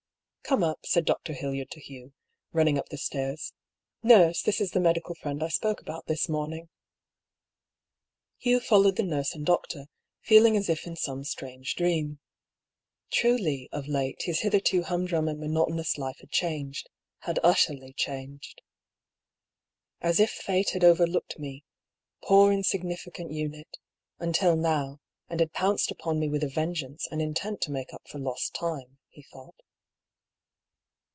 " Come up," said Dr. Hildyard to Hugh, running up the stairs. " Nurse, this is the medical friend I spoke about this morning." Hugh followed the nurse and doctor, feeling as if in some strange dream. Truly, of late, his hitherto hum drum and monotonous life had changed — had utterly changed. " As if Fate had overlooked me — poor insignificant unit — ^until now, and had pounced upon me with a vengeance, and intent to make up for lost time," he thought.